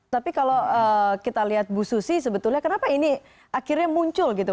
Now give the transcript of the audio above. tapi kalau kita lihat bu susi sebetulnya kenapa ini akhirnya muncul gitu